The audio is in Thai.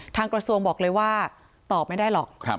กระทรวงบอกเลยว่าตอบไม่ได้หรอก